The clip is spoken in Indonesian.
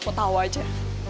kok tau aja